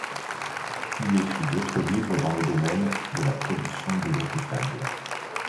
Il écrit d'autres livres dans le domaine de la production de l'eau potable.